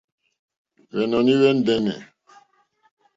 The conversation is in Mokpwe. Hwɛ̀nɔ̀ní hwɛ̀ ndɛ́nɛ̀.